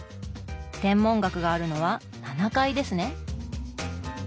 天文学があるのは７階ですね。